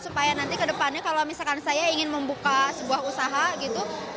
supaya nanti ke depannya kalau misalkan saya ingin membuka sebuah usaha gitu